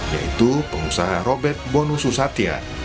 yaitu pengusaha robet bono susatya